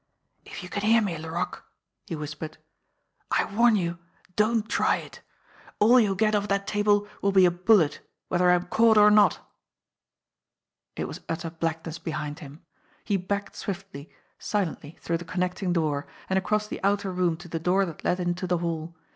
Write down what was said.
"If you can hear me, Laroque," he whispered, "I warn y 0U don't try it ! All you'll get off that table will be a bul let, whether I'm caught or not !" It was utter blackness behind him. He backed swiftly, silently through the connecting door, and across the outer room to the door that led into the hall.